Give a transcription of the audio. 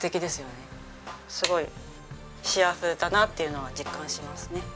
すごい幸せだなっていうのは実感しますね。